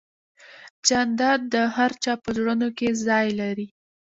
جانداد د هر چا په زړونو کې ځای لري.